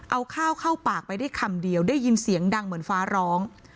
เอาข้าวเข้าปากไปได้คำเดียวได้ยินเสียงดังเหมือนฟ้าร้อง